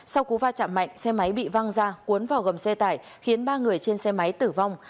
sau cú va chạm mạnh xe máy bị văng ra cuốn vào gầm xe tải khiến ba người trên xe máy tử vong